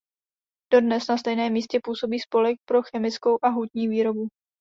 Dodnes na stejném místě působí Spolek pro chemickou a hutní výrobu.